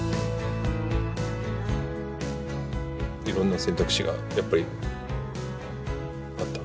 いろんな選択肢がやっぱりあった？